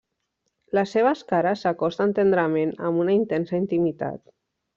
Les seves cares s'acosten tendrament amb una intensa intimitat.